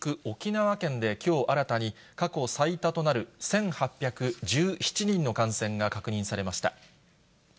沖縄県で、きょう新たに過去最多となる１８１７人の感染が確認されました。